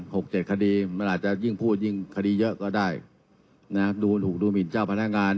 หกเจ็ดคดีมันอาจจะยิ่งพูดยิ่งคดีเยอะก็ได้นะดูถูกดูหมินเจ้าพนักงาน